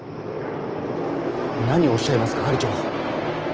何をおっしゃいます係長。